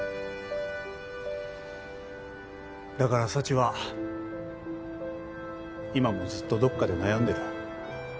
だから幸は今もずっとどっかで悩んでる。